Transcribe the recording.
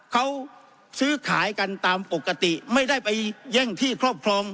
เขาซื้อขายกันตามปกติไม่ได้ไปแย่งที่ครอบครอง